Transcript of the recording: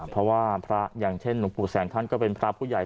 เพราะว่าพระอย่างเช่นหลวงปู่แสงท่านก็เป็นพระผู้ใหญ่